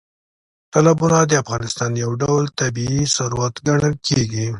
تالابونه د افغانستان یو ډول طبیعي ثروت ګڼل کېږي.